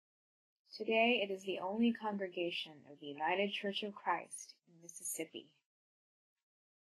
Today it is the only congregation of the United Church of Christ in Mississippi.